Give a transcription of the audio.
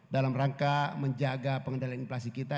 dalam rangka menjaga pengendalian inflasi kita